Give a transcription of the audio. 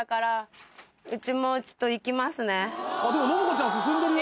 でも信子ちゃん進んでるよ。